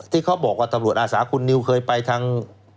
ที่เขาบอกว่าตำรวจอาสาคุณนิวเคยไปทาง